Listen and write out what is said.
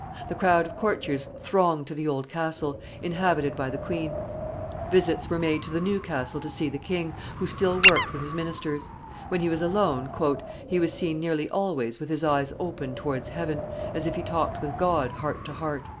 The crowd of courtiers thronged to the old castle, inhabited by the queen; visits were made to the new castle to see the king, who still worked with his ministers; when he was alone, "he was seen nearly always with his eyes open towards heaven, as if he talked with God heart to heart."